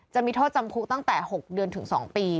จะมีโทษจำคุกตั้งแต่๖เดือนถึง๒ปี